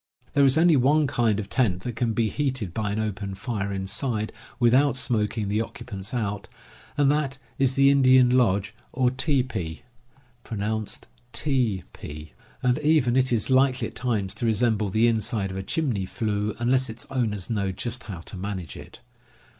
There is only one kind of tent that can be heated by an open fire, inside, without smoking the occupants , out, and that is the Indian lodge or tee "* pee (pronounced tee pee), and even it is likely at times to resemble the inside of a chimney flue unless its owners know just how to manage it.